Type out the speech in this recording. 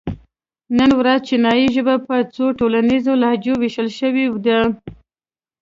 نن ورځ چینایي ژبه په څو ټولنیزو لهجو وېشل شوې ده.